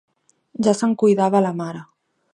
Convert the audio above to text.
Ja se'n cuidava la mare.